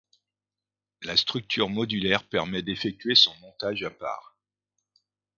La structure modulaire permet d'effectuer son montage à part.